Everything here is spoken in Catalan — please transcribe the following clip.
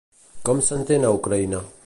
Com s'entén a Ucraïna?